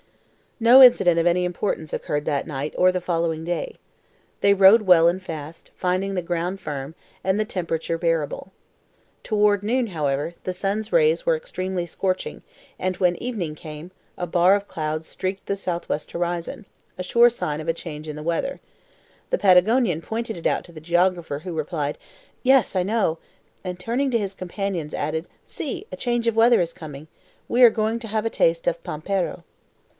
No incident of any importance occurred that night or the following day. They rode well and fast, finding the ground firm, and the temperature bearable. Toward noon, however, the sun's rays were extremely scorching, and when evening came, a bar of clouds streaked the southwest horizon a sure sign of a change in the weather. The Patagonian pointed it out to the geographer, who replied: "Yes, I know;" and turning to his companions, added, "see, a change of weather is coming! We are going to have a taste of PAMPERO."